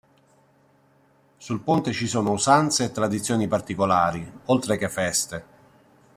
Sul ponte ci sono usanze e tradizioni particolari, oltre che feste.